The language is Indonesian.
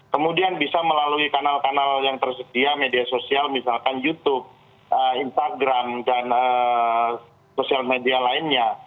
kemudian bisa melalui kanal kanal yang tersedia media sosial misalkan youtube instagram dan sosial media lainnya